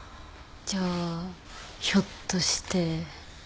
じゃあひょっとして？